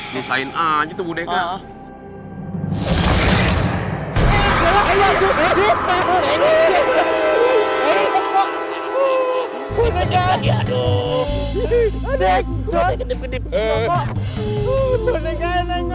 nusahin aja tuh boneka